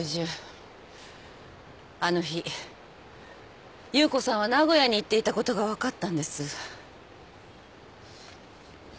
あの日夕子さんは名古屋に行っていたことが分かったんです。